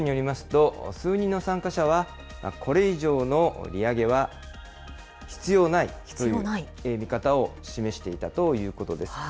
議事録によりますと、数人の参加者は、これ以上の利上げは必要ないという見方を示していたということです。